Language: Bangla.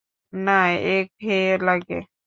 না, একঘেয়ে লাগে।